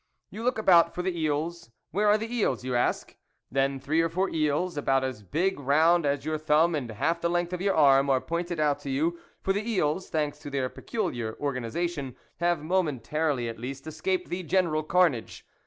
You look about for the eels ; where are the eels you ask ? Then three or four eels, about as big round as your thumb and half the length of your arm, are pointed out to you ; for the eels, thanks to their peculiar organization, have momentarily at least, escaped the general carnage.